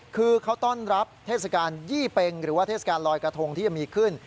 คือเขาต้อนรับเทศกาลยี่เป็งหรือว่าเทศกาลลอยกระทงที่จะมีขึ้น